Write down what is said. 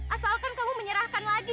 asalkan kamu menyerahkan lagi